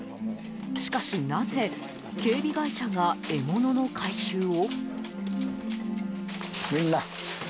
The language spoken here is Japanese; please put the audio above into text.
しかし、なぜ警備会社が獲物の回収を？